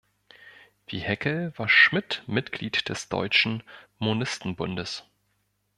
Wie Haeckel war Schmidt Mitglied des Deutschen Monistenbundes.